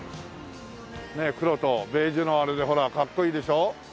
ねえ黒とベージュのあれでほらかっこいいでしょ？